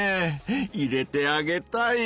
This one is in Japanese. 入れてあげたい！